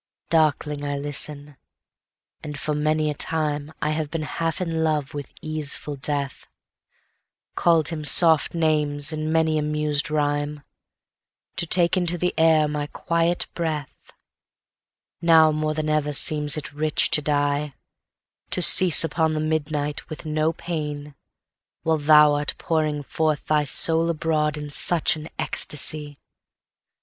6.Darkling I listen; and, for many a timeI have been half in love with easeful Death, Call'd him soft names in many a mused rhyme, To take into the air my quiet breath; Now more than ever seems it rich to die, To cease upon the midnight with no pain, While thou art pouring forth thy soul abroadIn such an ecstasy!